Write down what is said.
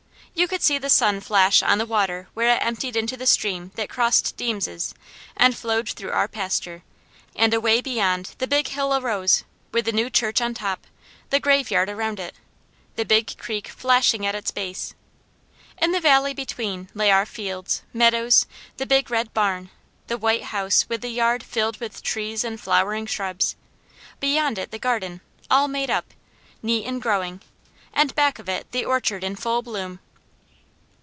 You could see the sun flash on the water where it emptied into the stream that crossed Deams', and flowed through our pasture; and away beyond the Big Hill arose, with the new church on top, the graveyard around it, the Big Creek flashing at its base. In the valley between lay our fields, meadows, the big red barn, the white house with the yard filled with trees and flowering shrubs, beyond it the garden, all made up, neat and growing; and back of it the orchard in full bloom.